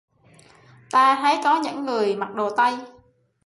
Ta thấy có những người mặc đồ tây